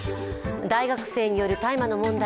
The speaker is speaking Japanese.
大学生による大麻の問題